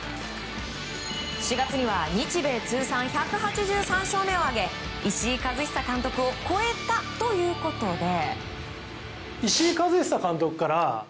４月には日米通算１８３勝目を挙げ石井一久監督を超えたということで。